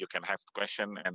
dan kami akan memilih pertanyaan